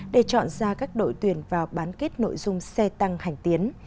để chọn ra các đội tuyển vào bán kết nội dung xe tăng hành tiến